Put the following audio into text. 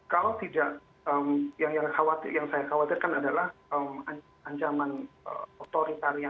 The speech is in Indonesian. kalau tidak yang yang khawatir yang saya khawatirkan adalah ancaman otoritas sama sama ya